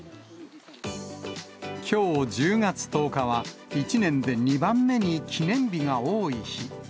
きょう１０月１０日は、１年で２番目に記念日が多い日。